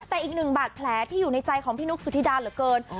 แต่อีกหนึ่งบาดแผลที่อยู่ในใจของพี่นุ๊กสุธิดาเหลือเกิน